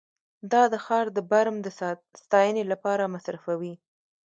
دا د ښار د برم د ستاینې لپاره مصرفوي